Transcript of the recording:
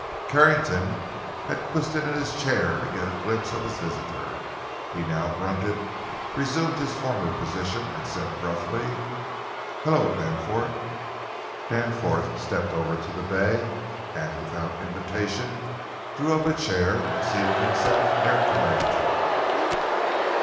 Carrington had twisted in his chair to get a glimpse of his visitor; he now grunted, resumed his former position and said, gruffly: "Hello, Danforth!" Danforth stepped over to the bay, and without invitation drew up a chair and seated himself near Carrington.